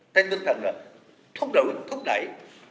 tên tinh thần là thúc đẩy